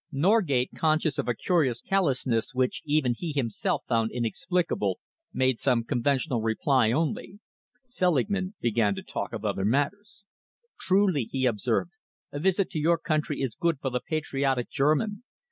Norgate, conscious of a curious callousness which even he himself found inexplicable, made some conventional reply only. Selingman began to talk of other matters. "Truly," he observed, "a visit to your country is good for the patriotic German.